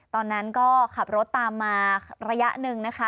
ตอนนั้นก็ขับรถตามมาระยะหนึ่งนะคะ